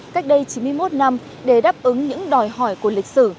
cách đây chín mươi một năm để đáp ứng những đòi hỏi của lịch sử